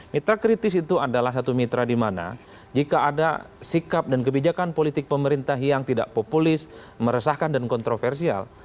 mitra kritis itu adalah satu mitra di mana jika ada sikap dan kebijakan politik pemerintah yang tidak populis meresahkan dan kontroversial